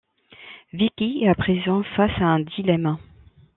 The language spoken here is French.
Vicky est à présent face à un dilemme...